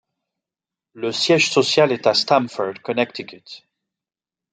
Le siège social est à Stamford, Connecticut.